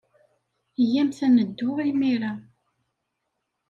Iyyamt ad neddu imir-a.